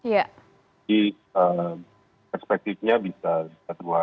jadi perspektifnya bisa dibuat